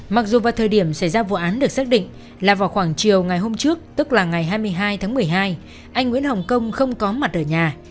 mặc dù vào thời điểm xảy ra vụ án được xác định là vào khoảng chiều ngày hôm trước tức là ngày hai mươi hai tháng một mươi hai anh nguyễn hồng công không có mặt ở nhà